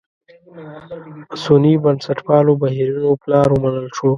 سني بنسټپالو بهیرونو پلار ومنل شو.